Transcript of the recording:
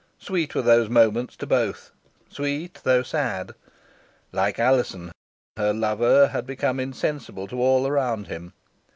Sweet were those moments to both sweet, though sad. Like Alizon, her lover had become insensible to all around him.